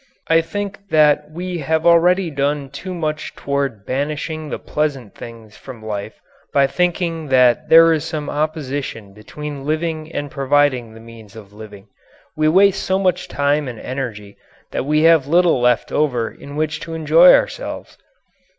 I think that we have already done too much toward banishing the pleasant things from life by thinking that there is some opposition between living and providing the means of living. We waste so much time and energy that we have little left over in which to enjoy ourselves.